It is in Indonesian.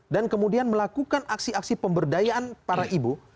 dan kemudian melakukan aksi aksi pemberdayaan para ibu